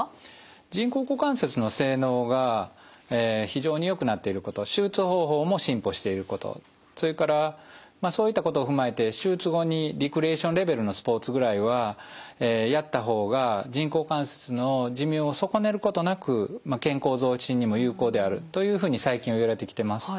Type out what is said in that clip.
人工股関節の性能が非常によくなっていること手術方法も進歩していることそれからそういったことを踏まえて手術後にレクリエーションレベルのスポーツぐらいはやった方が人工股関節の寿命を損ねることなく健康増進にも有効であるというふうに最近はいわれてきてます。